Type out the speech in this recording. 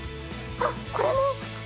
あっこれも！